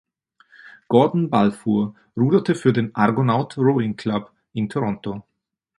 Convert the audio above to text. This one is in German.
Gordon Balfour ruderte für den Argonaut Rowing Club in Toronto.